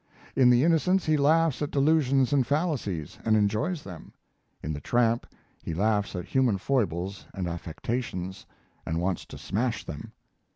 In the 'Innocents' he laughs at delusions and fallacies and enjoys them. In the 'Tramp' he laughs at human foibles and affectations and wants to smash them.